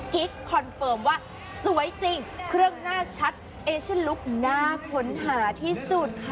คอนเฟิร์มว่าสวยจริงเครื่องหน้าชัดเอเชนลุคน่าค้นหาที่สุดค่ะ